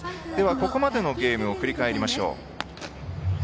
ここまでのゲームを振り返りましょう。